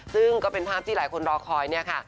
ซึ่งก็เป็นภาพที่หลายคนรอคอยเนี่ยค่ะ